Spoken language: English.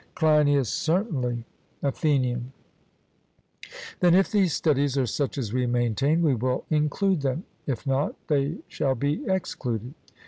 CLEINIAS: Certainly. ATHENIAN: Then if these studies are such as we maintain, we will include them; if not, they shall be excluded.